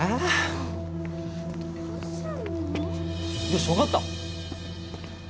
よし分かった。